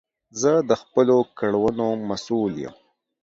زه د خپلو کړونو مسول یی